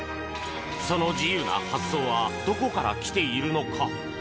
その自由な発想はどこから来ているのか？